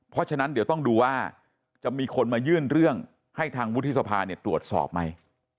เพราะฉะนั้นเดี๋ยวต้องดูว่าจะมีคนมายื่นเรื่องให้ทางวุฒิสภาตรวจสอบไหม